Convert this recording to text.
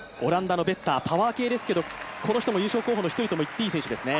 オランダのベッター、パワー系ですけどこの人も優勝候補の１人とも言っていい選手ですね。